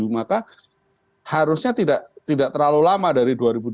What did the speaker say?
maka harusnya tidak terlalu lama dari dua ribu dua puluh